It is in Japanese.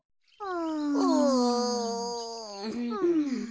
うん。